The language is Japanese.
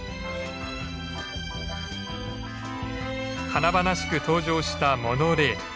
華々しく登場したモノレール。